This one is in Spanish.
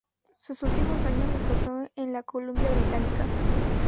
Sus últimos años los pasó en la Columbia Británica.